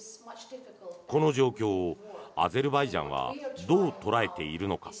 この状況をアゼルバイジャンはどう捉えているのか。